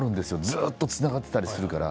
ずっとつながっていたりするから。